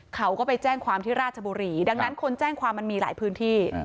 เขาก็ไปแจ้งความที่ราชบุรีดังนั้นคนแจ้งความมันมีหลายพื้นที่